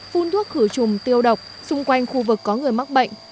phun thuốc khử trùng tiêu độc xung quanh khu vực có người mắc bệnh